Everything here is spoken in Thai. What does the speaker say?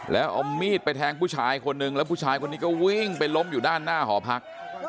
แล้วเอามีดไปแทงผู้ชายคนนึงแล้วผู้ชายคนนี้ก็วิ่งไปล้มอยู่ด้านหน้าหอพัก